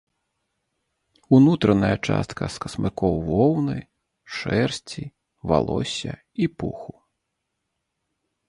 Унутраная частка з касмыкоў воўны, шэрсці, валосся і пуху.